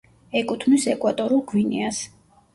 ეკუთვნის ეკვატორულ გვინეას.